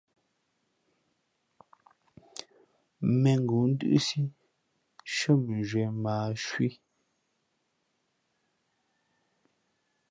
Mēngoó ndʉ́ʼsí nshʉ́ά mʉnzhwīē mα ǎ cwí.